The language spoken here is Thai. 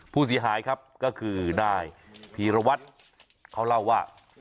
ผู้เสียหายครับก็คือนายพีรวัตรเขาเล่าว่า